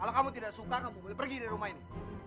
kalau kamu tidak suka kamu boleh pergi dari rumah ini